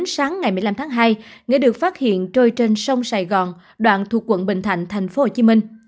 sáng ngày một mươi năm tháng hai nghệ được phát hiện trôi trên sông sài gòn đoạn thuộc quận bình thạnh tp hcm